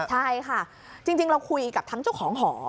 ใช่ค่ะจริงเราคุยกับทั้งเจ้าของหอ